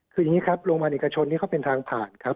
คืออย่างนี้ครับโรงพยาบาลเอกชนนี้เขาเป็นทางผ่านครับ